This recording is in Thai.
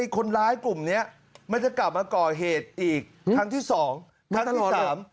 คนร้ายกลุ่มเนี้ยมันจะกลับมาก่อเหตุอีกครั้งที่สองครั้งที่สาม